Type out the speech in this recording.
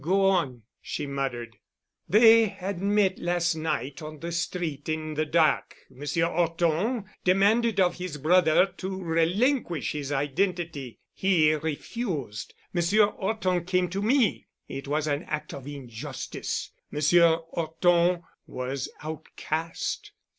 "Go on," she muttered. "They had met last night on the street in the dark. Monsieur 'Orton demanded of his brother to relinquish his identity. He refused. Monsieur 'Orton came to me. It was an act of injustice. Monsieur 'Orton was outcast.